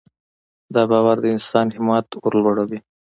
دا باور د انسان همت ورلوړوي.